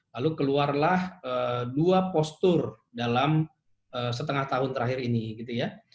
lalu keluarlah dua postur dalam setengah tahun terakhir ini gitu ya